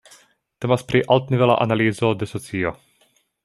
Temas pri altnivela analizo de socio.